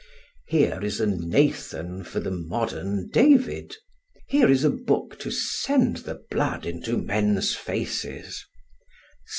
Here is a Nathan for the modern David; here is a book to send the blood into men's faces.